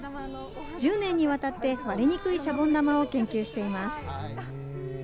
１０年にわたって、割れにくいシャボン玉を研究しています。